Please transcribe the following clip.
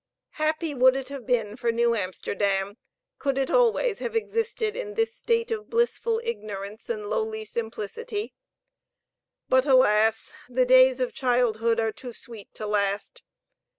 Happy would it have been for New Amsterdam could it always have existed in this state of blissful ignorance and lowly simplicity; but, alas! the days of childhood are too sweet to last.